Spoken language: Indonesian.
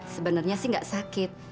sebenernya sih gak sakit